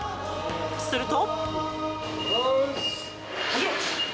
すると。